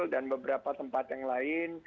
dan beberapa tempat yang lain